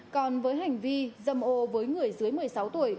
còn với hành vi dâm ô với người dưới một mươi sáu tuổi